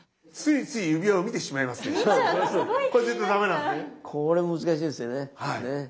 ついつい指輪を見てしまいますね。